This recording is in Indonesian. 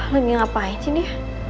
lagi ngapain sih ini